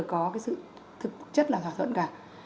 không có cái sự thực chất là thỏa thuận cả